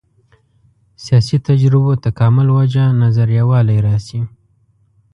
سیاسي تجربو تکامل وجه نظر یووالی راشي.